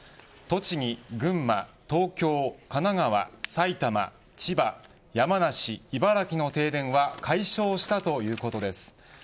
栃木、群馬、東京神奈川、埼玉、千葉山梨、茨城の停電は解消したということです。